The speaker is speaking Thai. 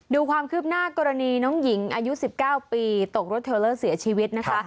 ดูความคืบหน้ากรณีน้องหญิงอายุ๑๙ปีตกรถเทลเลอร์เสียชีวิตนะคะ